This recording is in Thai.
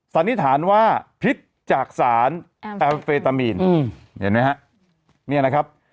สันนิษฐานว่าพิษจากสารแอลเฟตามีนเห็นไหมฮะเนี่ยนะครับ